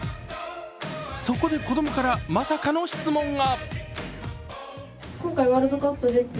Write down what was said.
そこで子どもからまさかの質問が。